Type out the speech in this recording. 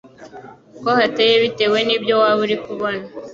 ko hateye bitewe n'ibyo waba uri kubona,